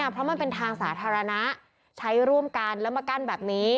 เพราะมันเป็นทางสาธารณะใช้ร่วมกันแล้วมากั้นแบบนี้